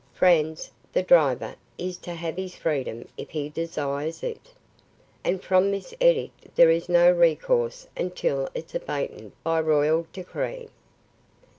Franz, the driver, is to have his freedom if he desires it. "And from this edict there is no recourse until its abatement by royal decree.